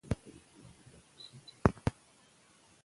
وزیرفتح خان خپل ورورانو ته لارښوونه وکړه.